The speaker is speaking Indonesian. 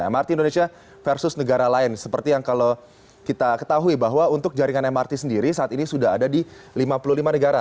mrt indonesia versus negara lain seperti yang kalau kita ketahui bahwa untuk jaringan mrt sendiri saat ini sudah ada di lima puluh lima negara